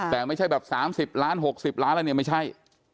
แต่ไม่ใช่แบบ๓๐ล้าน๖๐ล้านแล้วเนี่ยไม่ใช่